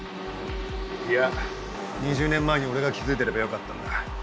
いや２０年前に俺が気付いてればよかったんだ。